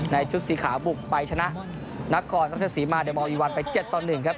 ในชุดสีขาบุกไปชนะนักครนักศักดิ์ศรีมาร์เดมอลวีวัลไป๗ตอน๑ครับ